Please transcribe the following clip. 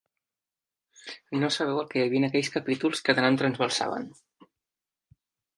No sabeu el què hi havia en aquells capítols que tant em trasbalsaven.